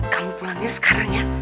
kamu pulangnya sekarang ya